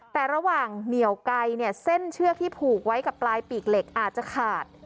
แต่ระหว่างเหนียวไกลเนี่ยเส้นเชือกที่ผูกไว้กับปลายปีกเหล็กอาจจะขาด